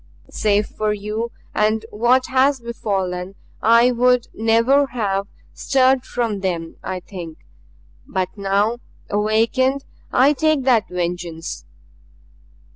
Save for you and what has befallen I would never have stirred from them, I think. But now awakened, I take that vengeance.